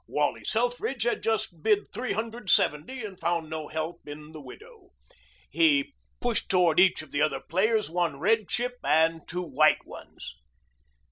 Wally Selfridge had just bid three hundred seventy and found no help in the widow. He pushed toward each of the other players one red chip and two white ones.